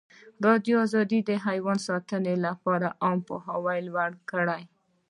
ازادي راډیو د حیوان ساتنه لپاره عامه پوهاوي لوړ کړی.